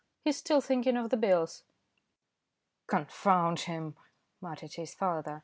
"He's still thinking of the bills." "Confound him," muttered his father.